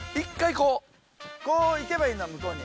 こう行けばいいんだ向こうに。